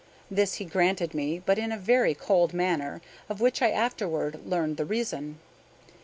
This he granted me, but in a very cold manner, of which I afterward learned the reason.